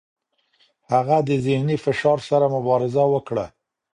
هغه د ذهني فشار سره مبارزه وکړه.